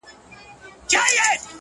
ای د نشې د سمرقند او بُخارا لوري’